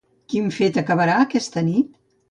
Quin fet acabarà aquesta nit?